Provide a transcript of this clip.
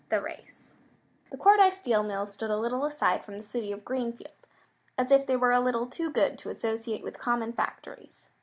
THE RACE The Cordyce Steel Mills stood a little aside from the city of Greenfield, as if they were a little too good to associate with common factories.